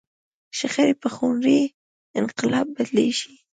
شخړې به پر خونړي انقلاب بدلېږي.